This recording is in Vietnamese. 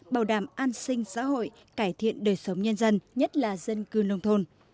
bảo đảm an sinh xã hội cải thiện đời sống nhân dân nhất là dân cư nông thôn